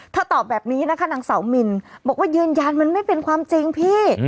ตอบแบบนี้นะคะนางสาวมินบอกว่ายืนยันมันไม่เป็นความจริงพี่